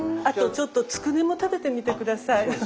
あとちょっとつくねも食べてみて下さい。